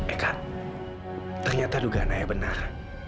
eh kak ternyata dugaan saya benar